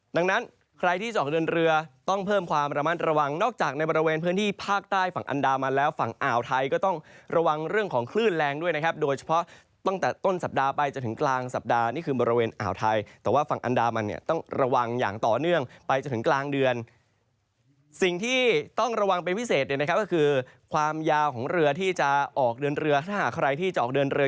ดังนั้นใครที่จะออกเดินเรือต้องเพิ่มความระมัดระวังนอกจากในบริเวณพื้นที่ภาคใต้ฝั่งอันดามันแล้วฝั่งอ่าวไทยก็ต้องระวังเรื่องของคลื่นแรงด้วยนะครับโดยเฉพาะตั้งแต่ต้นสัปดาห์ไปจนถึงกลางสัปดาห์นี่คือบริเวณอ่าวไทยแต่ว่าฝั่งอันดามันเนี่ยต้องระวังอย่างต่อเนื่องไปจนถึงกลางเดือน